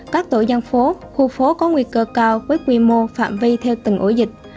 các tổ dân phố khu phố có nguy cơ cao với quy mô phạm vi theo từng ổ dịch